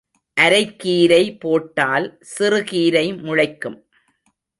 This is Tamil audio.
அரைக்கீரை போட்டால் சிறுகீரை முளைக்கும்.